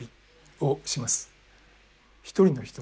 一人の人。